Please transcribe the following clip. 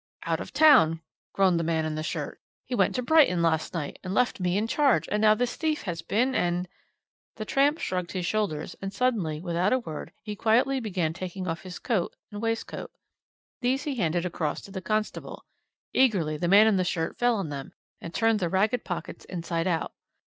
"'Out of town,' groaned the man in the shirt. 'He went to Brighton last night, and left me in charge, and now this thief has been and ' "The tramp shrugged his shoulders and suddenly, without a word, he quietly began taking off his coat and waistcoat. These he handed across to the constable. Eagerly the man in the shirt fell on them, and turned the ragged pockets inside out.